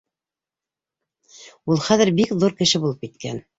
Ул хәҙер бик ҙур кеше булып киткән.